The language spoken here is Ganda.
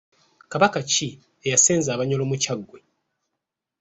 Kabaka ki eyasenza Abanyoro mu Kyaggwe?